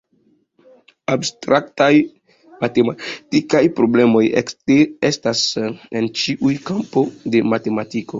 Abstraktaj matematikaj problemoj ekestas en ĉiuj kampoj de matematiko.